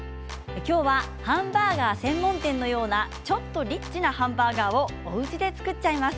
今日はハンバーガー専門店のようなちょっとリッチなハンバーガーをおうちで作っちゃいます。